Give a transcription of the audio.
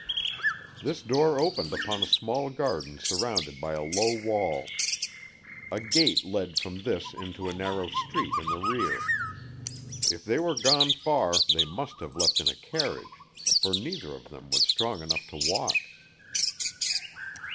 This door opened upon a small garden surrounded by a low wall. A gate led from this into a narrow street in the rear. If they were gone far they must have left in a carriage, for neither of them was strong enough to walk.